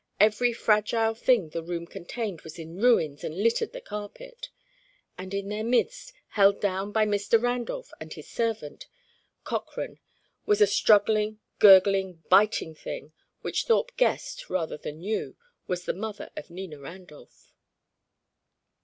Every fragile thing the room contained was in ruins and littered the carpet. And in their midst, held down by Mr. Randolph and his servant, Cochrane, was a struggling, gurgling, biting thing which Thorpe guessed rather than knew was the mother of Nina Randolph.